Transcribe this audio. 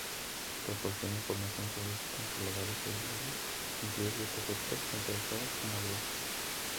Proporciona información sobre sustancias legales e ilegales, incluidos sus efectos, tanto deseados como adversos.